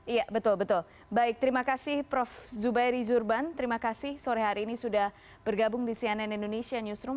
iya betul betul baik terima kasih prof zubairi zurban terima kasih sore hari ini sudah bergabung di cnn indonesia newsroom